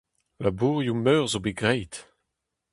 Labourioù meur zo bet graet.